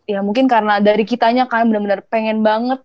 ya mungkin karena dari kitanya kan bener bener pengen banget